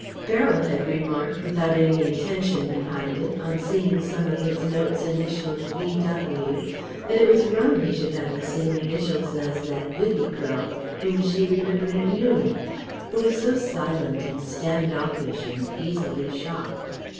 Beryl had remarked without any intention behind it on seeing some of his notes initialled V.W. that it was rum he should have the same initials as that Vivie girl whom she remembered at Newnham ... who was "so silent and standoffish and easily shocked."